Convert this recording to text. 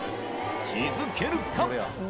気づけるか？